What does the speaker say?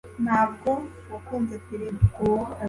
ntabwo wakunze firime